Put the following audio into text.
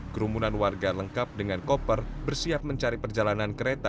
kota kota yang menembus perjalanan menjelaskan ke kota